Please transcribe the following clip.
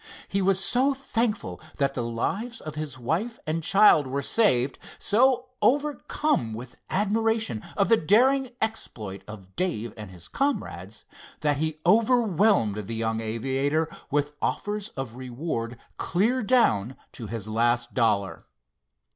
He was so thankful that the lives of his wife and child were saved, so overcome with admiration of the daring exploit of Dave and his comrades, that he overwhelmed the young aviator with offers of reward clear down to his last dollar.